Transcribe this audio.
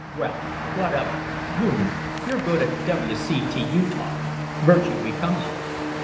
"Well, what of it? Goon. You're good at W. C. T. U. talk. Virtue becomes you."